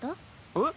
えっ？